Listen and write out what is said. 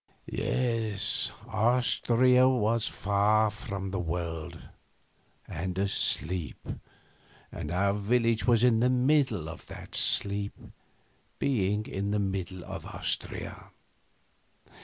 Yes, Austria was far from the world, and asleep, and our village was in the middle of that sleep, being in the middle of Austria.